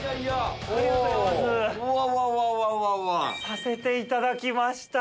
させていただきました。